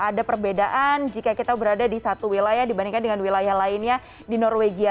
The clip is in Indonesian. ada perbedaan jika kita berada di satu wilayah dibandingkan dengan wilayah lainnya di norwegia